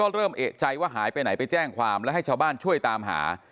เริ่มเอกใจว่าหายไปไหนไปแจ้งความและให้ชาวบ้านช่วยตามหา